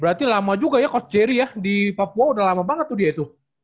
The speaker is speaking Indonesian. berarti lama juga ya coach jerry ya di papua udah lama banget tuh dia itu